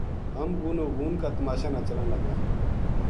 ہم غونو غون کا تماشا نا چلاں لگا‘‘